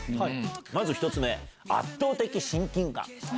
まず１つ目、圧倒的親近感。